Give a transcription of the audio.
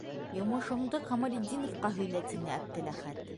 Йомошоңдо Камалетдиновҡа һөйлә, - тине Әптеләхәт.